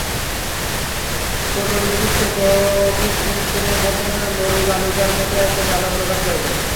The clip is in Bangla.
কোটরনিবিষ্ট চকিতনেত্রে মধ্যাহ্নের মরুবালুকার মতো একটা জ্বালা প্রকাশ পাইল।